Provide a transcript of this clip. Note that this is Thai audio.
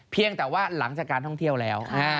เพียงแต่ว่าหลังจากการท่องเที่ยวแล้ว